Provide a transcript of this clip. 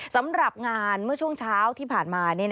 สำหรับงานเมื่อช่วงเช้าที่ผ่านมา